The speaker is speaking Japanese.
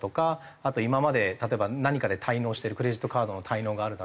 あと今まで例えば何かで滞納してるクレジットカードの滞納があるだとか。